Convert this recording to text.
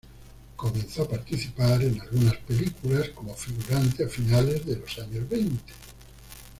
Comenzó a participar en algunas películas como figurante a finales de los años veinte.